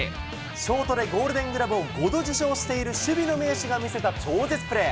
ショートでゴールデングラブを５度受賞している守備の名手が見せた超絶プレー。